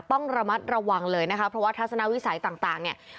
ต้องระมัดระวังเลยนะคะเพราะว่าทัศนวิสัยต่างเนี่ย